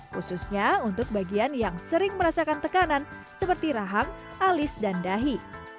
khususnya untuk bagian yang sering merasakan tekanan seperti raham alis dan dahi